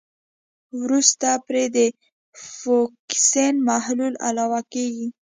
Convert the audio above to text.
وروسته پرې د فوکسین محلول علاوه کیږي.